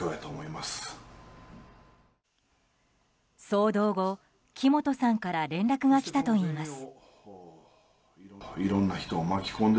騒動後、木本さんから連絡がきたといいます。